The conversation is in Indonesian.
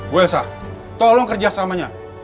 bu elsa tolong kerja samanya